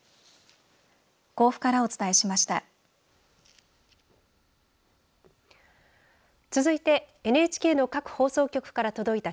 甲府からお伝えしました。